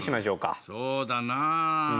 そうだな。